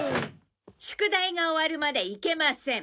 宿題が終わるまでいけません。